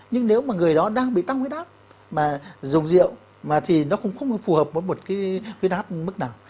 nhưng nếu mà người đó đang bị tăng với đáp mà dùng rượu thì nó cũng không phù hợp với đáp mức nào